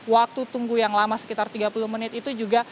waktu tunggu yang lama sekitar tiga puluh menit itu juga